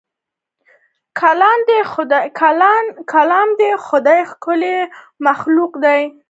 ګلان د خدای ښکلی مخلوق دی.